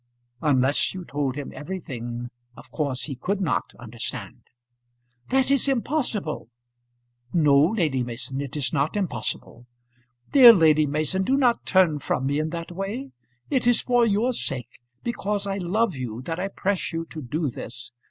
"Unless you told him everything, of course he could not understand." "That is impossible." "No, Lady Mason, it is not impossible. Dear Lady Mason, do not turn from me in that way. It is for your sake, because I love you, that I press you to do this.